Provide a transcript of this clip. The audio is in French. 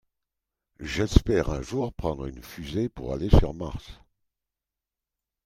J'espère un jour prendre une fusée pour aller sur Mars.